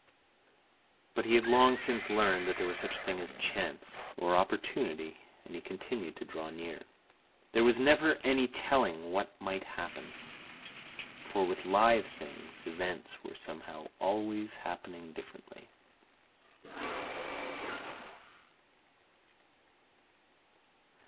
But he had long since learned that there was such a thing as Chance, or Opportunity, and he continued to draw near. There was never any telling what might happen, for with live things events were somehow always happening differently.